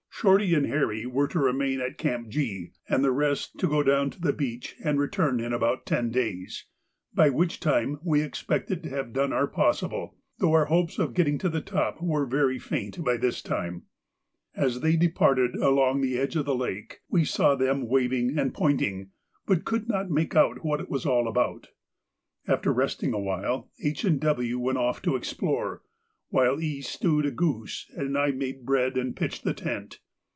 Shorty and Harry were to remain at Camp G, and the rest to go down to the beach and return in about ten days, by which time we expected to have done our possible, though our hopes of getting to the top were very faint by this time. As they departed along the edge of the lake we saw them waving and pointing, but could not make out what it was all about. After resting a little, H. and W. went off to explore, while E. stewed a goose and I made bread and pitched the tent.